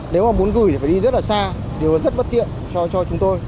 nếu muốn gửi thì phải đi rất là xa điều đó rất bất tiện cho chúng tôi